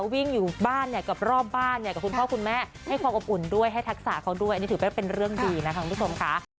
วิ่งอยู่บ้านเนี่ยกับรอบบ้านเนี่ยกับคุณพ่อคุณแม่ให้ความอบอุ่นด้วยให้ทักษะเขาด้วยอันนี้ถือว่าเป็นเรื่องดีนะคะคุณผู้ชมค่ะ